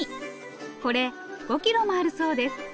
これ５キロもあるそうです。